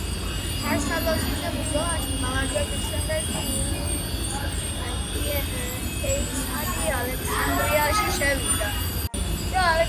ფარსალოსის ბრძოლაში გამარჯვების შემდეგ იულიუს კეისარი ალექსანდრიაში შევიდა.